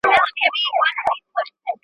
کله به زموږ د ټیم نوبت راورسیږي؟